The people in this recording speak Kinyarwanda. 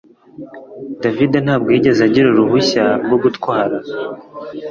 David ntabwo yigeze agira uruhushya rwo gutwara